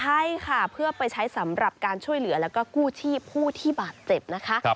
ใช่ค่ะเพื่อไปใช้สำหรับการช่วยเหลือแล้วก็กู้ชีพผู้ที่บาดเจ็บนะคะ